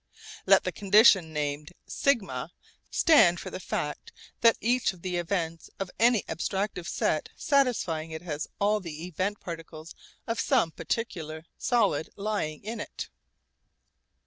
Let the condition named σ stand for the fact that each of the events of any abstractive set satisfying it has all the event particles of some particular solid lying in it.